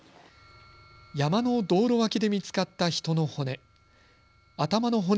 山の道路脇で見つかった人の骨。